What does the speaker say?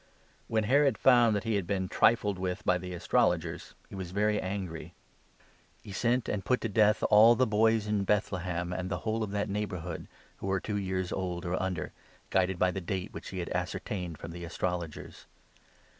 When Herod found that he had been trifled with by the 16 Astrologers, he was very angry. He sent and put to death all 6 Mic. 5. a. 16 Hos. ii. i. 46 MATTHEW, 2 3. the boys in Bethlehem and the whole of that neighbourhood, who were two years old or under, guided by the date which he had ascertained from the Astrologers.